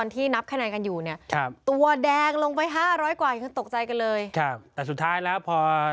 แต่สุดท้ายแล้วพอ